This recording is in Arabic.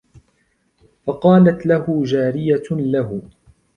فَقَالَتْ لَهُ جَارِيَةٌ لَهُ